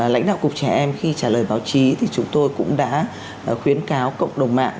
lãnh đạo cục trẻ em khi trả lời báo chí thì chúng tôi cũng đã khuyến cáo cộng đồng mạng